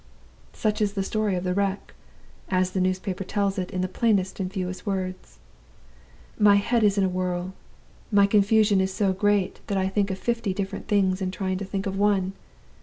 "Such is the story of the wreck, as the newspaper tells it in the plainest and fewest words. My head is in a whirl; my confusion is so great that I think of fifty different things in trying to think of one.